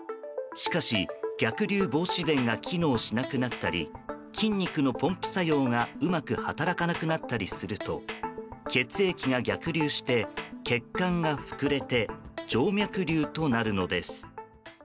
しかし、逆流防止弁が機能しなくなったり筋肉のポンプ作用がうまく働かなくなったりすると血液が逆流して血管が膨れて静脈瘤となるのです。